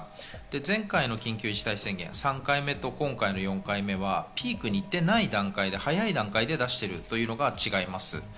前回の緊急事態宣言、３回目と、今回はピークに行ってない段階で早い段階で出しているということが違います。